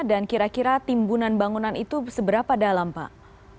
dan kira kira timbunan bangunan itu seberapa dalam pak